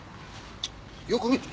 よく見て。